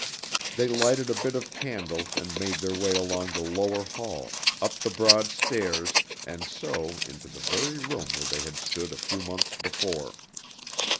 They lighted a bit of candle and made their way along the lower hall, up the broad stairs and so into the very room where they had stood a few months before.